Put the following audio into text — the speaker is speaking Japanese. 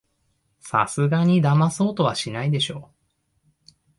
さすがにだまそうとはしないでしょ